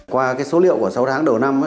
qua số liệu của sáu tháng đầu năm